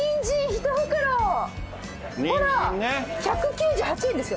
ほら１９８円ですよ。